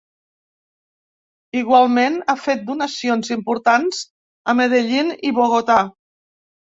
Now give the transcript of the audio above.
Igualment, ha fet donacions importants a Medellín i Bogotà.